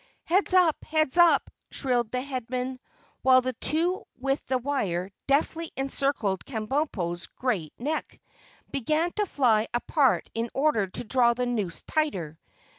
"Heads up! Heads up!" shrilled the Headmen, while the two with the wire, deftly encircling Kabumpo's great neck, began to fly apart in order to draw the noose tighter.